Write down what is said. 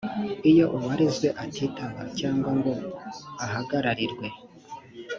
iyo uwarezwe atitaba cyangwa ngo ahagararirwe